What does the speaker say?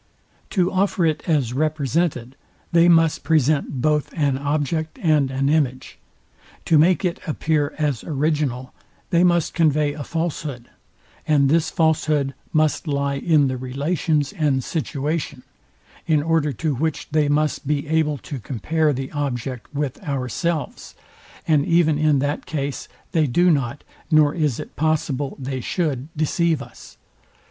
To offer it as represented, they must present both an object and an image. To make it appear as original, they must convey a falshood; and this falshood must lie in the relations and situation: In order to which they must be able to compare the object with ourselves; and even in that case they do not, nor is it possible they should, deceive us.